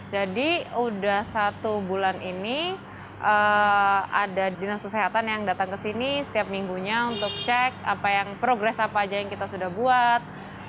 jadi udah satu bulan ini ada dinas kesehatan yang datang ke sini setiap minggunya untuk cek progres apa aja yang kita sudah buat